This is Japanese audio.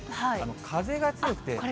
風が強くて。